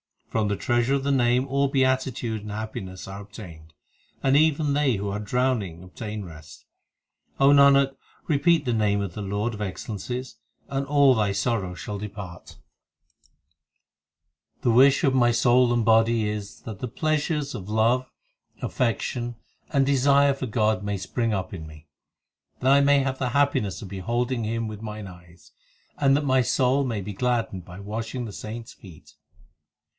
1 From the treasure of the Name all beatitude and happi ness are obtained, 1 That is, man shall be despised and dishonoured. HYMNS OF GURU ARJAN 259 And even they who are drowning obtain rest O Nanak, repeat the name of the Lord of excellences, And all thy sorrow shall depart. The wish of my soul and body is That the pleasures of love, affection, and desire for God may spring up in me ; That I may have the happiness of beholding Him with mine eyes ; And that my soul may be gladdened by washing the saints feet.